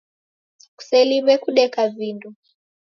Kuseliw'e kudeka vindo.